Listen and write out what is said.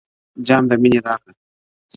• جام د میني راکړه,